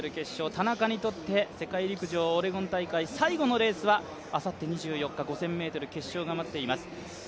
田中にとって世界陸上オレゴン大会最後のレースはあさって２４日５０００ｍ決勝が待っています。